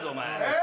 え！